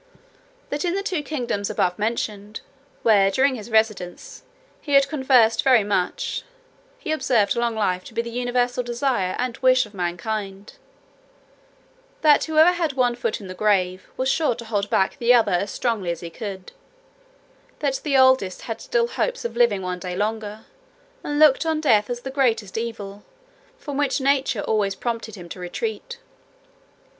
That in the two kingdoms above mentioned, where, during his residence, he had conversed very much, he observed long life to be the universal desire and wish of mankind. That whoever had one foot in the grave was sure to hold back the other as strongly as he could. That the oldest had still hopes of living one day longer, and looked on death as the greatest evil, from which nature always prompted him to retreat.